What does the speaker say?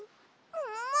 ももも？